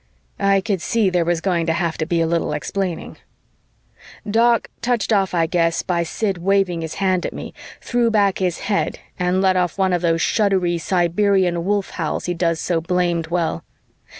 I could see there was going to have to be a little explaining. Doc, touched off, I guess, by Sid waving his hand at me, threw back his head and let off one of those shuddery Siberian wolf howls he does so blamed well.